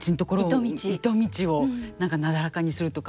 糸道を何かなだらかにするとか。